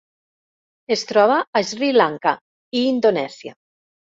Es troba a Sri Lanka i Indonèsia.